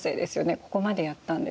ここまでやったんですか？